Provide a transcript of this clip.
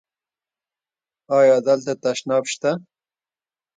ایا دلته تشناب شته؟